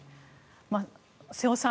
瀬尾さん